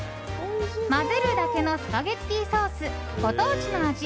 まぜるだけのスパゲッティソースご当地の味